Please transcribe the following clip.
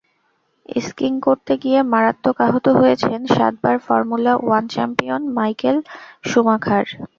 Scheme করতে গিয়ে মারাত্মক আহত হয়েছেন সাতবার formula one champion Michael Schumacher.